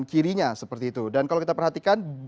kirinya seperti itu dan kalau kita perhatikan